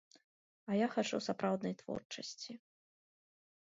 А я хачу сапраўднай творчасці.